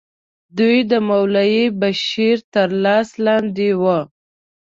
دوی د مولوي بشیر تر لاس لاندې وو.